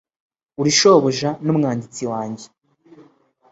Uri shobuja n'umwanditsi wanjye